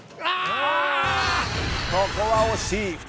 ここは惜しい。